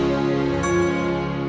sampai jumpa lagi